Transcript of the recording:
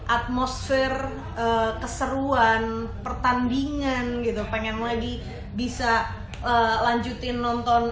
atmosfer keseruan pertandingan gitu pengen lagi bisa lanjutin nonton